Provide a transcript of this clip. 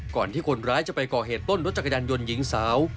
ที่คนร้ายจะไปก่อเหตุปล้นรถจักรยานยนต์หญิงสาว